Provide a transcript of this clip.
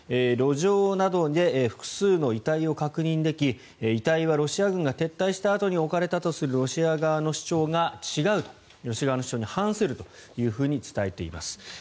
路上などで複数の遺体を確認でき遺体はロシア軍が撤退したあとに置かれたとするロシア側の主張が違うとロシア側の主張に反すると伝えています。